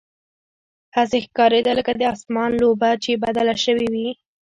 هسې ښکارېده لکه د اسمان لوبه چې بدله شوې وي.